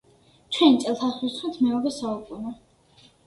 ჩვენი წელთაღრიცხვით მეორე საუკუნე.